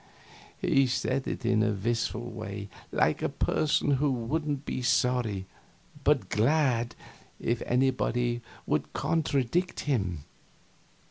He said it in a wistful way, like a person that wouldn't be sorry, but glad, if anybody would contradict him.